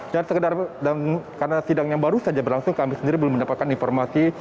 dan karena sidang yang baru saja berlangsung kami sendiri belum mendapatkan informasi